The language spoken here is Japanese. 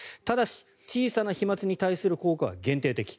ただし小さな飛まつに対する効果は限定的。